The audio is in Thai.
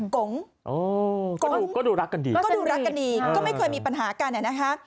กงก็ดูก็ดูรักกันดีก็ดูรักกันดีก็ไม่เคยมีปัญหากันอะนะคะ